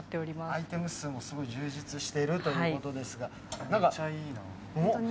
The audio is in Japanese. アイテム数も充実しているということですが。